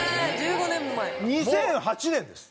２００８年です。